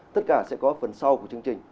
tất cả sẽ có phần sau của chương trình